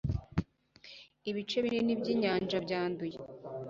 ibice binini byinyanja byanduye